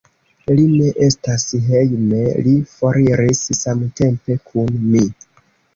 Li ne estas hejme; li foriris samtempe kun mi.